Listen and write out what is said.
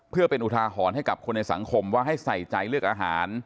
เพื่อเป็นอุทาหรณ์ให้กับคนในสังคมว่าให้ใส่ใจเลือกอาหาร